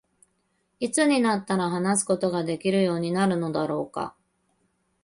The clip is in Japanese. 何時になったら話すことができるようになるのだろうか。